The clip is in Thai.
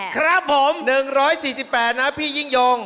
ครับผม๑๔๘นะพี่ยิ่งยง